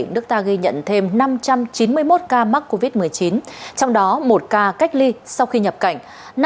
nước ta ghi nhận thêm năm trăm chín mươi một ca mắc covid một mươi chín trong đó một ca cách ly sau khi nhập cảnh